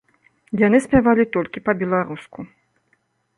Яны спявалі толькі па-беларуску.